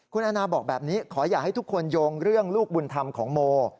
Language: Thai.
คุณแอนนาบอกแบบนี้ขออย่าให้ทุกคนโยงเรื่องลูกบุญธรรมของโม